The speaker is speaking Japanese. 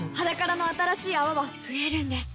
「ｈａｄａｋａｒａ」の新しい泡は増えるんです